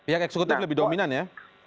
pihak eksekutif lebih dominan ya